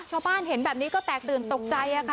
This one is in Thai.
ชาวบ้านเห็นแบบนี้ก็แตกตื่นตกใจค่ะ